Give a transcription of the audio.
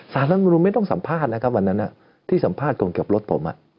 สารรัฐมนุนไม่ต้องสัมภาษณ์นะครับวันนั้นที่สัมภาษณ์คนขับรถผม